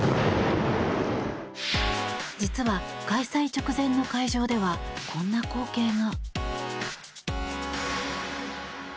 実は、開催直前の会場ではこんな光景が。